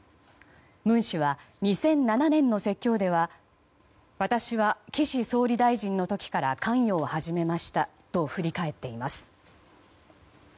文氏は２００７年の説教では私は岸総理大臣の時から関与を始めましたと振り返っています。